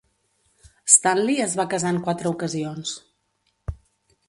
Stanley es va casar en quatre ocasions.